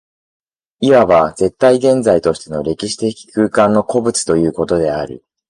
いわば絶対現在としての歴史的空間の個物ということである。